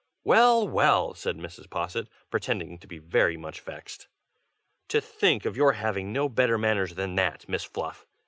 "Well! well!" said Mrs. Posset, pretending to be very much vexed. "To think of your having no better manners than that, Miss Fluff!